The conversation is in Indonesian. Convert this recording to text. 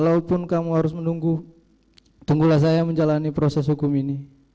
sebagai hadiah ibu tunggulah saya menjalani proses hukum ini